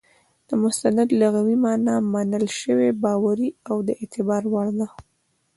د مستند لغوي مانا منل سوى، باوري، او د اعتبار وړ ده.